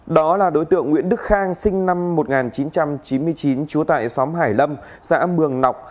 đó là đối tượng nguyễn đức khang sinh năm một nghìn chín trăm chín mươi chín trú tại xóm hải lâm xã mường nọc